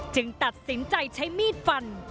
ตัดสินใจใช้มีดฟัน